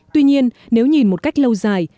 tuy nhiên nếu nhìn một cách lâu dài